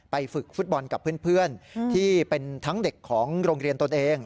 ฝึกฟุตบอลกับเพื่อนที่เป็นทั้งเด็กของโรงเรียนตนเอง